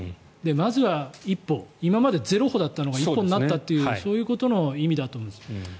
まずは１歩今までゼロ歩だったのが１歩になったというそういうことの意味だと思います。